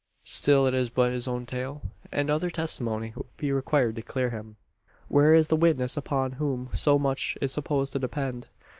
Still it is but his own tale; and other testimony will be required to clear him. Where is the witness upon whom so much is supposed to depend.